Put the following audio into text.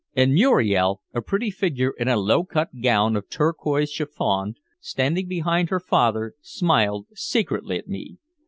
And Muriel, a pretty figure in a low cut gown of turquoise chiffon, standing behind her father, smiled secretly at me.